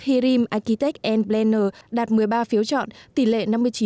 hirim architect planner đạt một mươi ba phiếu chọn tỷ lệ năm mươi chín chín